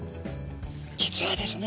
実はですね